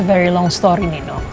ini ceritanya sangat panjang nino